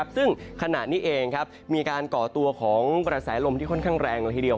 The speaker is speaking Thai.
ซึ่งขนาดนี้เองมีการก่อตัวของประสายลมที่ค่อนข้างแรง